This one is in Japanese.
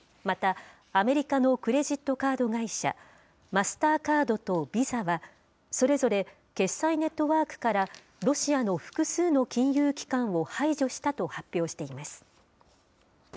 またアメリカのクレジットカード会社、マスターカードとビザは、それぞれ決済ネットワークからロシアの複数の金融機関を排除したと発表しています。